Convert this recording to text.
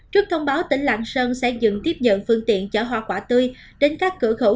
trước thông báo tỉnh lạng sơn sẽ dừng tiếp nhận phương tiện chở hoa quả tươi đến các cửa khẩu